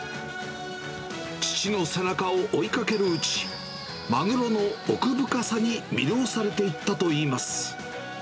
父の背中を追いかけるうち、マグロの奥深さに魅了されていったといいます。